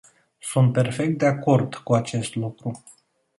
Sunt perfect de acord cu acest lucru.